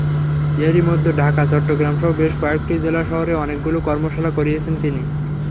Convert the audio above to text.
এরই মধ্যে ঢাকা, চট্টগ্রামসহ বেশ কয়েকটি জেলা শহরে অনেকগুলো কর্মশালা করিয়েছেন তিনি।